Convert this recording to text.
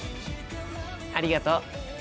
ありがとう。